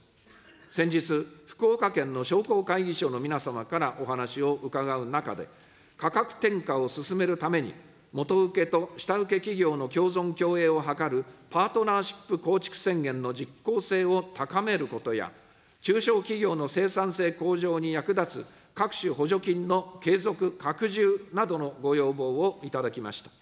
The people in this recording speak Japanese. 先日、福岡県の商工会議所の皆様からお話を伺う中で、価格転嫁を進めるために、元請けと下請け企業の共存共栄を図る、パートナーシップ構築宣言の実効性を高めることや、中小企業の生産性向上に役立つ、各種補助金の継続、拡充などのご要望を頂きました。